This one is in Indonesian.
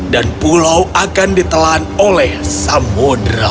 dan pulau akan ditelan oleh samudera